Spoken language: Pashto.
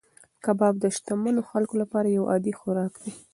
کباب د شتمنو خلکو لپاره یو عادي خوراک دی.